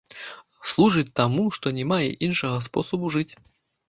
Служыць таму, што не мае іншага спосабу жыць.